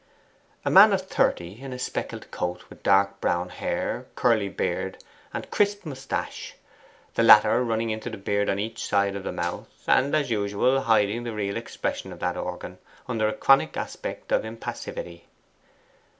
A man of thirty in a speckled coat, with dark brown hair, curly beard, and crisp moustache: the latter running into the beard on each side of the mouth, and, as usual, hiding the real expression of that organ under a chronic aspect of impassivity.